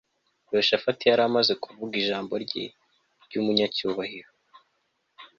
Yehoshafati yari yamaze kuvuga ijambo rye ryumunyacyubahiro